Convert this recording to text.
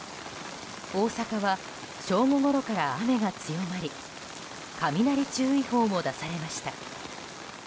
大阪は正午ごろから雨が強まり雷注意報も出されました。